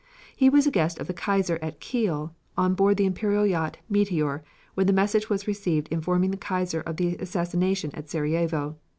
He was a guest of the Kaiser at Kiel on board the Imperial yacht Meteor when the message was received informing the Kaiser of the assassination at Sarajevo.